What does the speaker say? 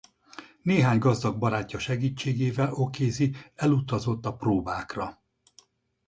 Néhány gazdag barátja segítségével O’Casey elutazott a próbákra.